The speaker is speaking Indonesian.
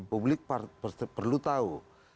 publik perlu tahu